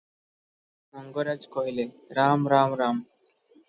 ମଙ୍ଗରାଜ କହିଲେ, "ରାମ ରାମ ରାମ ।